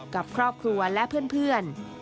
กับครอบครัวและเพื่อน